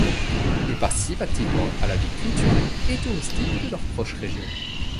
Ils participent activement à la vie culturelle et touristique de leur proche région.